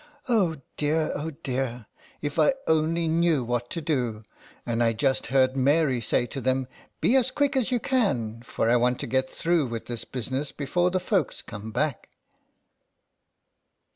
Oh dear, oh dear, if I only knew what to do ! And I just heard Mary say to them, " Be as quick as you can, for I want to get through with this busi ness before the folks come back/ III.